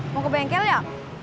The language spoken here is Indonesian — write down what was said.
mau ke bengkel ya